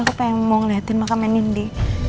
aku pengen mau ngeliatin makan main lindy